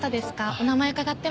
お名前伺っても？